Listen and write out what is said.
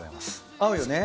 合うよね。